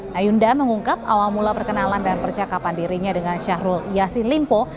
nah yunda mengungkap awal mula perkenalan dan percakapan dirinya dengan syahrul yassin limpo